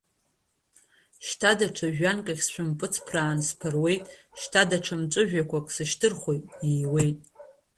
Шьҭа даҽа жәҩанкахь сшәымпыҵԥраан сԥыруеит, шьҭа даҽа мҵәыжәҩақәак сышьҭырхуеит, ииуеит…